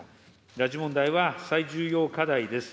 拉致問題は最重要課題です。